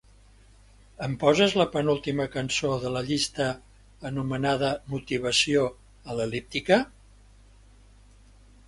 Em poses la penúltima cançó de la llista anomenada "motivació" a l'el·líptica?